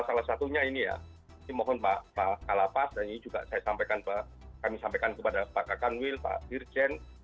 salah satunya ini ya ini mohon pak kalapas dan ini juga kami sampaikan kepada pak kakan wil pak dirjen